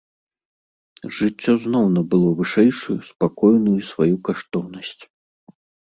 Жыццё зноў набыло вышэйшую, спакойную сваю каштоўнасць.